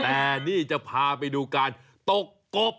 แต่นี่จะพาไปดูการตกกบ